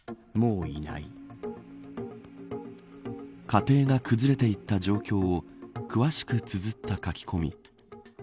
家庭が崩れていった状況を詳しくつづった書き込み。